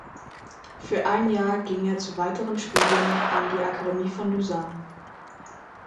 Für ein Jahr ging er zu weiteren Studien an die Akademie von Lausanne.